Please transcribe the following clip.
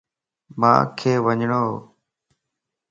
مانک وڃڻوَ